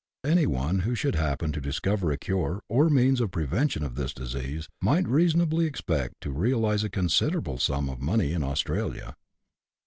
Any one who should happen to discover a cure, or means of prevention of this disease, might reasonably expect to realize a considerable sum of money in Australia.